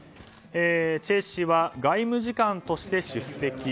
チェ氏は、外務次官として出席。